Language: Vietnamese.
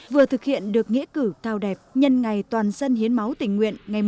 vừa thực hiện được nghĩa cử cao đẹp nhân ngày toàn dân hiến máu tình nguyện